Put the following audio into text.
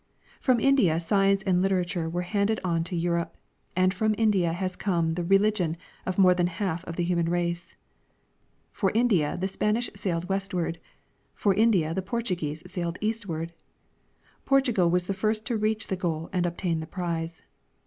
From India science and literature viere handed on to Europe, and from India has come the religion of more than half of the human race. For India the Spanish sailed westAvard ; for India the Portuguese sailed eastAvard ; Portugal Avas the first to reach the goal and obtain the prize.